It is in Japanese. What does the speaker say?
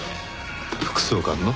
副総監の？